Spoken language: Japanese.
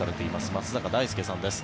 松坂大輔さんです。